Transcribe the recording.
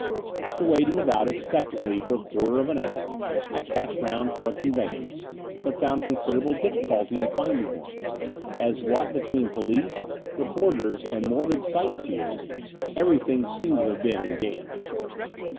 After waiting about expectantly for a quarter of an hour I cast round for a conveyance, but fotmd considerable difficulty in finding one, as, what between police, reporters, and morbid sight seers, everything seemed to have been engaged.